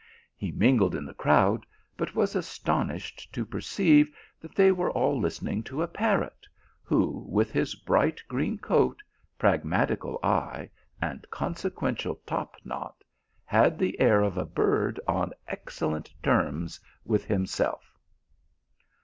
He mingled in the crowd, but was astonished to perceive that they were all listening to a parrot, who, with his bright green coat, pragmatical eye, and consequential topknot, had the air of a bird on excellent terms with himself.